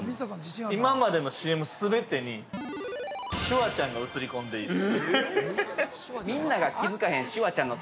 今までのＣＭ全てにシュワちゃんが映り込んでいる。